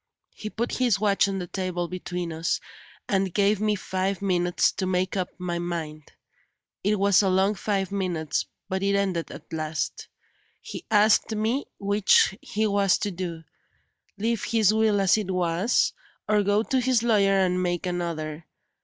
He put his watch on the table between us, and gave me five minutes to make up my mind. It was a long five minutes, but it ended at last. He asked me which he was to do leave his will as it was, or go to his lawyer and make another.